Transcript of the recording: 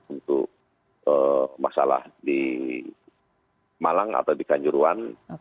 untuk masalah di malang atau di kanjuruan